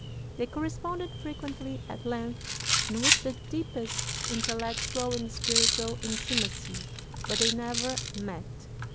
They corresponded frequently, at length, and with the deepest intellectual and spiritual intimacy; but they never met.